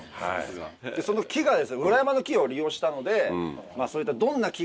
その木がですね裏山の木を利用したので。も含めて。